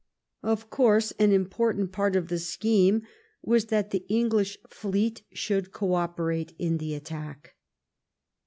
Of course an important part of the scheme was that the English fleet should co operate in the at tack.